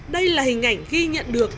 đây là hình ảnh ghi nhận được